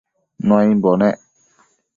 Nuaimbo nec